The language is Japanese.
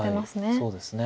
そうですね。